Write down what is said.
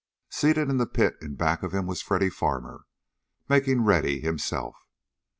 Seated in the pit in back of him was Freddy Farmer, making ready himself.